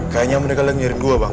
kayaknya mereka lagi nyariin gue bang